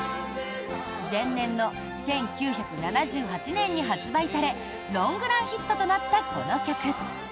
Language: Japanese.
前年の１９７８年に発売されロングランヒットとなったこの曲。